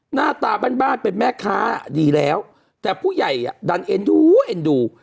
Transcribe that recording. หน้าตาบ้านบ้านเป็นแม่ค้าดีแล้วแต่ผู้ใหญ่อ่ะดันเอ็นดูเอ็นดู